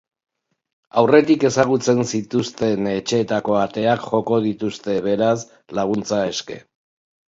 Aurretik ezagutzen zituzten etxeetako ateak joko dituzte, beraz, laguntza eske.